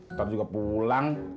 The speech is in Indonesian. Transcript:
ntar juga pulang